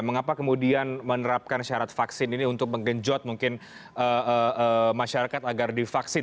mengapa kemudian menerapkan syarat vaksin ini untuk menggenjot mungkin masyarakat agar divaksin